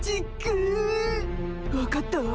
分かったわ。